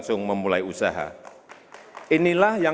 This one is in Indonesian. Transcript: yang menurut saya